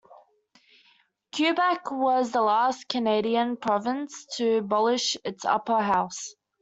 Quebec was the last Canadian province to abolish its upper house.